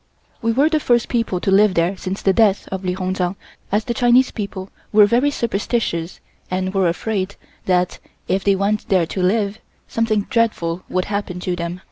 We were the first people to live there since the death of Li Hung Chang, as the Chinese people were very superstitious and were afraid that, if they went there to live, something dreadful would happen to them.